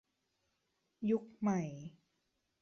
ยุคใหม่